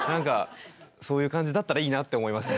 そういう感じだったらいいなって思いました。